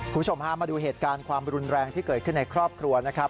คุณผู้ชมพามาดูเหตุการณ์ความรุนแรงที่เกิดขึ้นในครอบครัวนะครับ